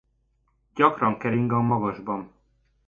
Gyakran kering a magasban.